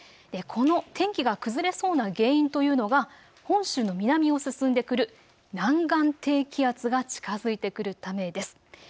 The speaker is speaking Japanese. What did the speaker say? この天気が崩れそうな原因というのが本州の南を進んでくる南岸低気圧が近づいてくるためです。